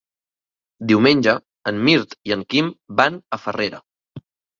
Diumenge en Mirt i en Quim van a Farrera.